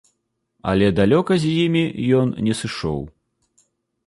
Але далёка з імі ён не сышоў.